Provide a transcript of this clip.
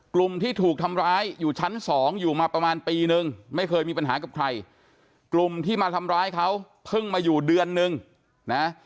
กลุ่มที่ถูกทำร้ายอยู่ชั้นสองอยู่มาประมาณปีนึงไม่เคยมีปัญหากับใครกลุ่มที่มาทำร้ายเขาเพิ่งมาอยู่เดือนนึงนะ